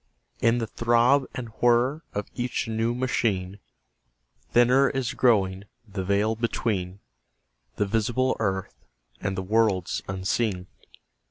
In the throb and whir of each new machine Thinner is growing the veil between The visible earth and the worlds unseen.